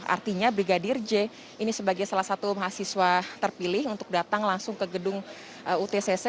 artinya brigadir j ini sebagai salah satu mahasiswa terpilih untuk datang langsung ke gedung utcc